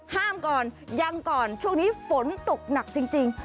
ห้ามก่อนยังก่อนช่วงนี้ฝนตกหนักจริง